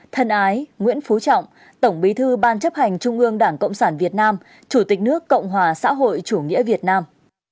thân ái nguyễn phú trọng tổng bí thư ban chấp hành trung ương đảng cộng sản việt nam chủ tịch nước cộng hòa xã hội chủ nghĩa việt nam